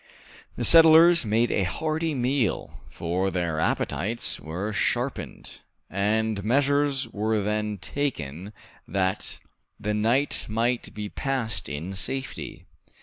The settlers made a hearty meal, for their appetites were sharpened, and measures were then taken that the night might be passed in safety.